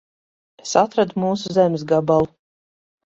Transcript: Es atradu mūsu zemes gabalu.